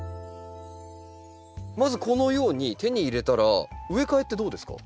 まずこのように手に入れたら植え替えってどうですか？